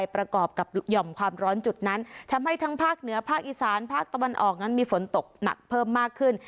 ประกอบกับหย่อมความร้อนจุดนั้นทำให้ทั้งภาคเหนือภาคอีสานภาคตะวันออกนั้นมีฝนตกหนักเพิ่มมากขึ้น